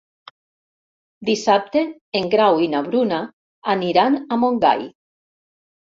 Dissabte en Grau i na Bruna aniran a Montgai.